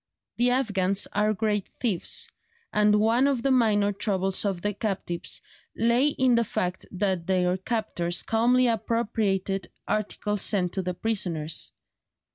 The Afghans are great thieves, and one of the minor troubles of the captives lay in the fact that their captors calmly appropriated articles sent to the prisoners.